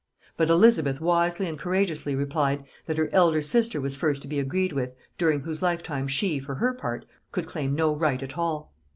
But Elizabeth wisely and courageously replied, that her elder sister was first to be agreed with, during whose lifetime she, for her part, could claim no right at all.